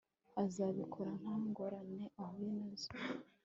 azabikora nta ngorane ahuye na zo